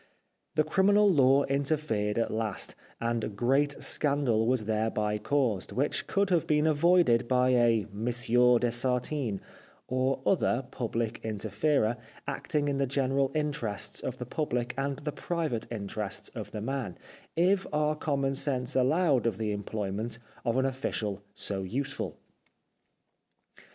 The criminal law interfered at last, and great scandal was thereby caused, which could have been avoided by a Monsieur de Sartine, or other Public Inter ferer, acting in the general interests of the public and the private interests of the man, if our commonsense allowed of the employment of an official so useful.